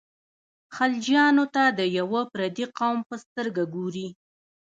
خلجیانو ته د یوه پردي قوم په سترګه ګوري.